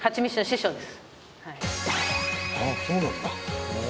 あっそうなんだ。